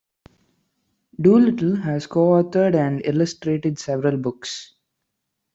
Doolittle has also co-authored and illustrated several books.